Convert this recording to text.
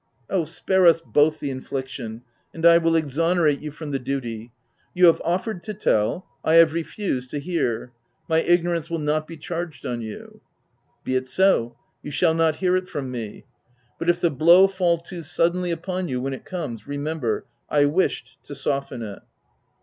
" Oh, spare us both the infliction — and I will exonerate you from the duty. You have offered to tell ; I have refused to 'her : my ignorance will not be charged on you "" Be it so — you shall not hear it from me. But if the blow fall too suddenly upon you when it comes, remember — I wished to soften it